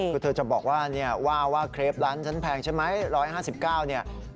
คือเธอจะบอกว่าว่าเครปร้านฉันแพงใช่ไหม๑๕๙เนี่ย